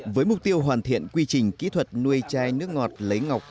với mục tiêu hoàn thiện quy trình kỹ thuật nuôi chai nước ngọt lấy ngọc